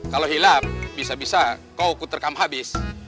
kalau hilap bisa bisa kau kuterkam habis